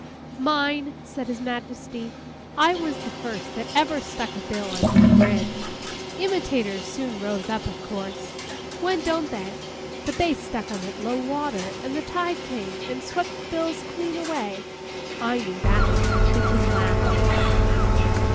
'Mine!' said His Majesty. 'I was the first that ever stuck a bill under a bridge! Imitators soon rose up, of course.—When don't they? But they stuck 'em at low water, and the tide came and swept the bills clean away. I knew that!' The King laughed.